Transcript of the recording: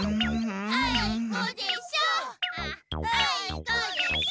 あいこでしょ！